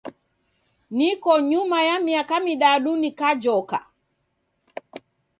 Niko nyuma ya miaka midadu ngajoka.